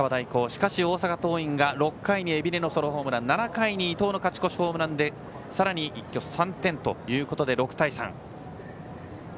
しかし大阪桐蔭が６回に海老根のソロホームラン７回に伊藤の勝ち越しホームランでさらに一挙３点ということで６対３。